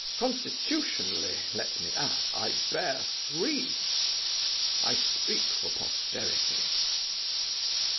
Constitutionally, let me add, I bear three. I speak for posterity."